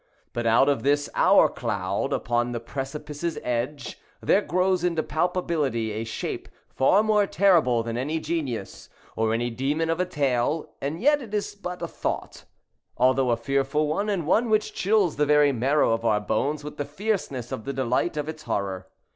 But out of this our cloud upon the precipice's edge, there grows into palpability, a shape, far more terrible than any genius or any demon of a tale, and yet it is but a thought, although a fearful one, and one which chills the very marrow of our bones with the fierceness of the delight of its horror.